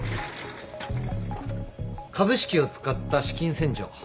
株式を使った資金洗浄。